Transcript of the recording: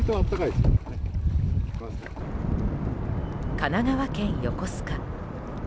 神奈川県横須賀。